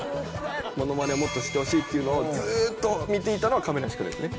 ものまねをもっとしてほしいっていうのをずーっと言っていたのは亀梨君ですね。